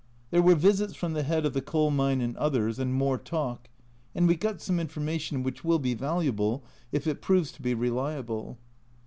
There were visits from the Head of the coal mine and others, and more talk, and we got some information which will be valuable if it proves to be reliable.